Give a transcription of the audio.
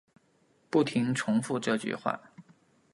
不停重复这句话